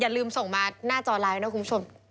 ลืมส่งมาหน้าจอไลน์นะคุณผู้ชม